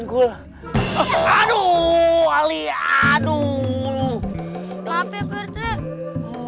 maaf ya pertek